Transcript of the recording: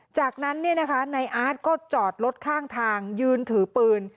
จากนั้นนายอาร์ตก็จอดรถข้างทางยืนถือปืน